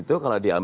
regen cabai bilang